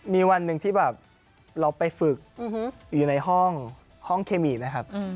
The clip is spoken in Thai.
มีวันหนึ่งที่แบบเราไปฝึกอยู่ในห้องเคมีนะครับ